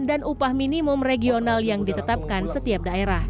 dan upah minimum regional yang ditetapkan setiap daerah